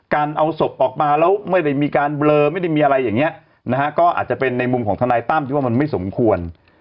การเอาศพออกมาแล้วไม่ได้มีการเบลอไม่ได้มีอะไรอย่างนี้นะฮะก็อาจจะเป็นในมุมของทนายตั้มที่ว่ามันไม่สมควร